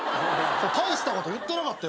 大したこと言ってなかったよ